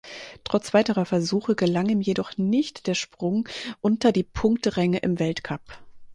Trotz weiterer Versuche gelang ihm jedoch nicht der Sprung unter die Punkteränge im Weltcup.